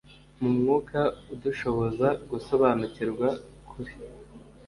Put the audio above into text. mu mwuka udushoboza gusobanukirwa ukuri.